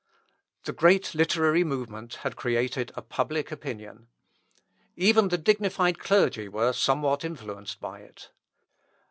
The great literary movement had created a public opinion. Even the dignified clergy were somewhat influenced by it.